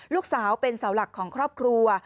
ลูกสาวเป็นเสาหลักของครอบครัว